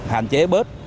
hạn chế bớt